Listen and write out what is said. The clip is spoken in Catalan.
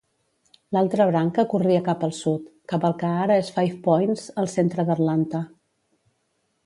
L'altra branca corria cap al sud, cap al que ara és Five Points al centre d'Atlanta.